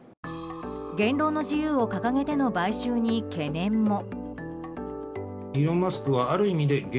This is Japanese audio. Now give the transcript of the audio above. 言論の自由を掲げての買収に懸念も。